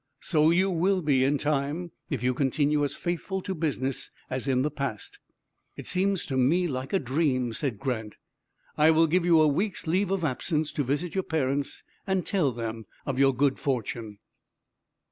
"So you will be in time, if you continue as faithful to business as in the past." "It seems to me like a dream," said Grant. "I will give you a week's leave of absence to visit your parents, and tell them of your good fortune."